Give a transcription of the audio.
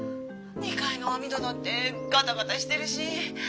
２階の網戸だってガタガタしてるし。